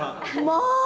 まあ！